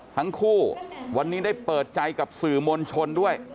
ทั้งคู่วันนี้ได้เปิดใจกับสื่อมวลชนด้วย